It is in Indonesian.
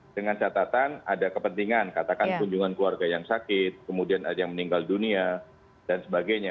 dengan catatan ada kepentingan katakan kunjungan keluarga yang sakit kemudian ada yang meninggal dunia dan sebagainya